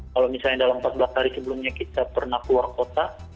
kalau misalnya dalam empat belas hari sebelumnya kita pernah keluar kota